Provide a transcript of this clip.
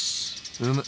うむ。